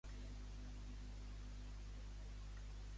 Que al Porta La Pasta fan comandes per emportar?